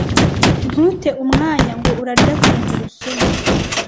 Ntute umwanya ngo Urarya tungurusumu